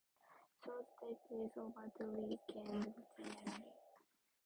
These take place over two weekends generally.